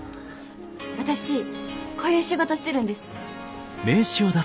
私こういう仕事してるんです。